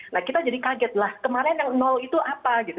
nah kita jadi kaget lah kemarin yang nol itu apa gitu